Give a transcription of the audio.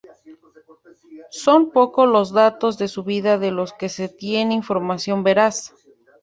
Son pocos los datos de su vida de los que se tiene información veraz.